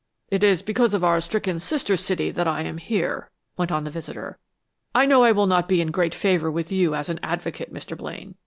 "It is because of our stricken sister city that I am here," went on the visitor. "I know I will not be in great favor with you as an advocate, Mr. Blaine.